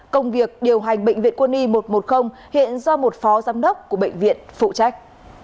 công việc điều hành bệnh viện quân y một trăm một mươi hiện do một phó giám đốc của bệnh viện phụ trách